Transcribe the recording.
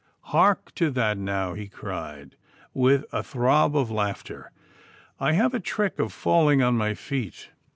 'Hark to that, now!' he cried, with a throb of laughter; 'I have a trick of falling on my feet.